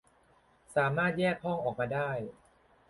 สามารถแยกห้องออกมาได้